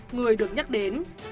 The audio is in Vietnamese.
người được nhắc đến